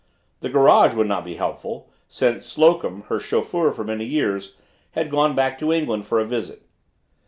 The garage would not be helpful, since Slocum, her chauffeur for many years, had gone back to England for a visit.